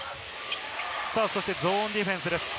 ゾーンディフェンスです。